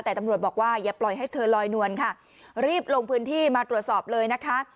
แต่ตำรวจบอกว่าอย่าปล่อยให้เธอลอยนวลค่ะรีบลงพื้นที่มาตรวจสอบเลยนะคะ